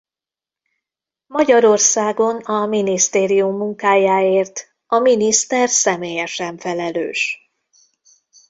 Magyarországon a minisztérium munkájáért a miniszter személyesen felelős.